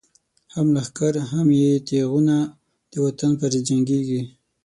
هم لښکر هم یی تیغونه، دوطن پر ضد جنګیږی